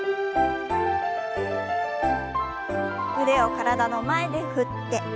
腕を体の前で振って。